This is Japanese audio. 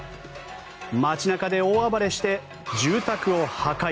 街中で大暴れして住宅を破壊。